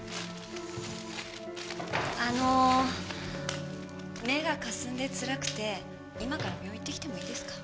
あの目がかすんでつらくて今から病院行ってきてもいいですか？